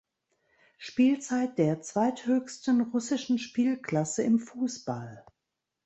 Spielzeit der zweithöchsten russischen Spielklasse im Fußball.